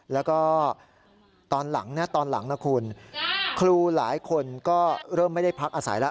แล้วก็ตอนหลังนะครูครูหลายคนก็เริ่มไม่ได้พักอาศัยละ